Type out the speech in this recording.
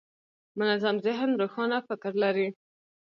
منظم ذهن روښانه فکر لري.